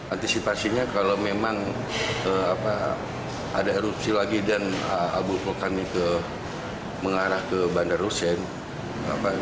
antisipasinya kalau memang ada erupsi lagi dan abu vulkanik mengarah ke bandar hussein